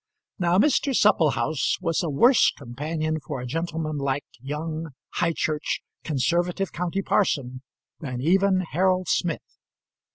Now Mr. Supplehouse was a worse companion for a gentlemanlike, young, High Church, conservative county parson than even Harold Smith.